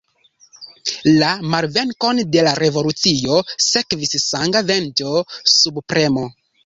La malvenkon de la revolucio sekvis sanga venĝo, subpremo.